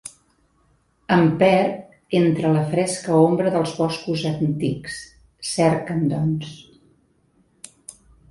Em perd entre la fresca ombra dels boscos antics; cerca'm doncs!